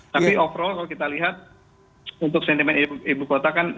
tapi overall kalau kita lihat untuk sentimen ibu kota kan